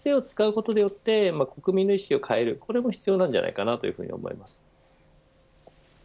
これを使うことによって国民の意思を変えるこれも必要なんじゃないかと思います。